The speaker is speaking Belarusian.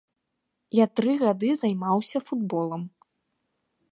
Я тры гады займаўся футболам.